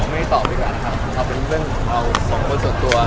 ไม่ตอบด้วยกันนะครับเอาเป็นเรื่องของเราสองคนส่วนตัว